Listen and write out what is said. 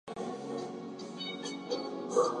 The release was delayed due to distributing problems.